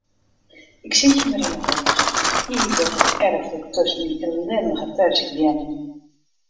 Ik sit hjir mar yn 'e hûs, ivich en erflik tusken dy ellindige perzikbeammen.